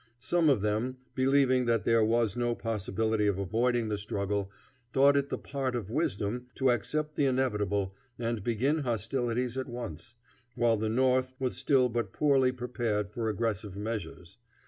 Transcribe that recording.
Some of them, believing that there was no possibility of avoiding the struggle, thought it the part of wisdom to accept the inevitable and begin hostilities at once, while the North was still but poorly prepared for aggressive measures.